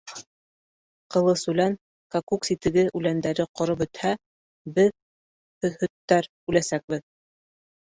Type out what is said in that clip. Ҡылысүлән, Кәкүк ситеге үләндәре ҡороп бөтһә, беҙ, һөҙһөттәр, үләсәкбеҙ!